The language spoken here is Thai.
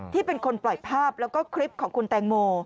ที่เป็นคนปล่อยภาพแล้วก็คลิปของคุณแตงโม